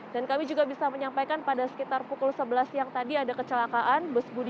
dan kami juga bisa menyampaikan pada sekitar pukul sebelas siang tadi ada kecelakaan